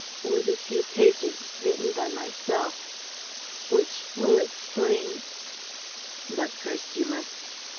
. with a few pages written by myself ... which will explain. ... But first you must